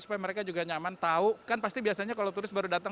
supaya mereka juga nyaman tahu kan pasti biasanya kalau turis baru datang